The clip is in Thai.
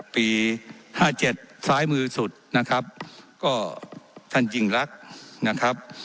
ปีห้าเจ็ดซ้ายมือสุดนะครับก็ท่านยิ่งรักนะครับ